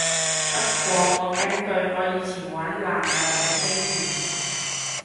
不過我根據我以前玩艦娘嘅經驗